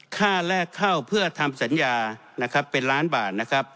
ค่าแลกเข้าเพื่อทำสัญญาเป็นล้านบาท